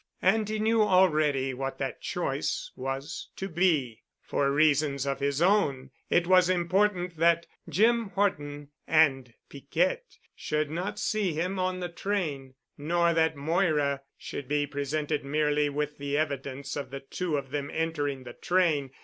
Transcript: And he knew already what that choice was to be. For reasons of his own it was important that Jim Horton and Piquette should not see him on the train; nor that Moira should be presented merely with the evidence of the two of them entering the train.